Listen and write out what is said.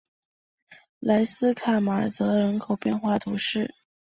莱斯卡马泽人口变化图示